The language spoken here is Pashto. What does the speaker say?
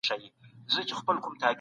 موږ بايد د يو بل مرستيالان واوسو.